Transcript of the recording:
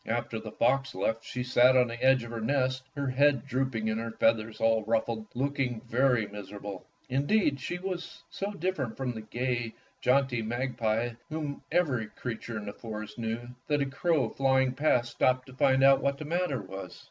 After the fox left she sat on the edge of her nest, her head drooping and her feathers all ruffled, looking very miserable. Indeed, she was so different from the gay, jaunty mag pie, whom every creature in the forest knew, that a crow flying past stopped to find out what the matter was.